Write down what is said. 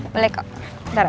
boleh kok darah